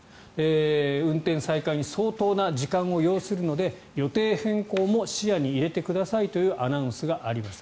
運転再開に相当な時間を要するので予定変更も視野に入れてくださいというアナウンスがありました。